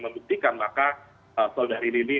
membuktikan maka saudari lili